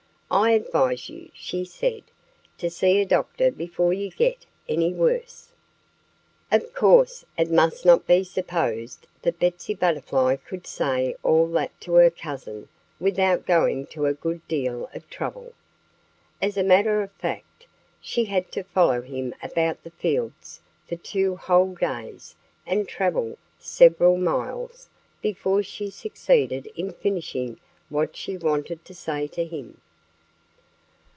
I advise you," she said, "to see a doctor before you get any worse." Of course, it must not be supposed that Betsy Butterfly could say all that to her cousin without going to a good deal of trouble. As a matter of fact, she had to follow him about the fields for two whole days and travel several miles before she succeeded in finishing what she wanted to say to him.